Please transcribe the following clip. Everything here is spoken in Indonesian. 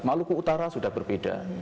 maluku utara sudah berbeda